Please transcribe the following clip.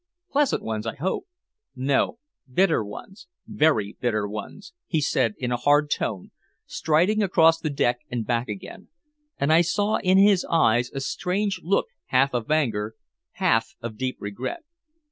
"Pleasant ones I hope." "No. Bitter ones very bitter ones," he said in a hard tone, striding across the deck and back again, and I saw in his eyes a strange look, half of anger, half of deep regret.